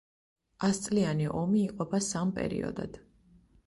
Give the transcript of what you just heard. ასწლიანი ომი იყოფა სამ პერიოდად.